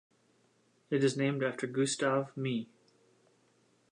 It is named after Gustav Mie.